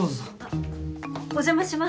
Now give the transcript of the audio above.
お邪魔します。